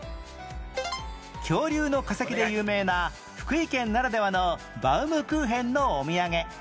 恐竜の化石で有名な福井県ならではのバウムクーヘンのお土産